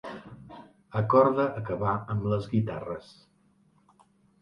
Acorda acabar amb les guitarres.